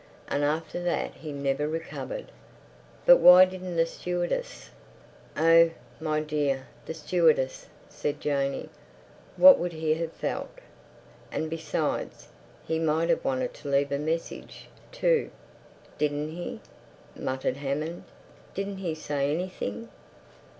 And after that he never recovered." "But why didn't the stewardess—" "Oh, my dear—the stewardess!" said Janey. "What would he have felt? And besides... he might have wanted to leave a message... to—" "Didn't he?" muttered Hammond. "Didn't he say anything?"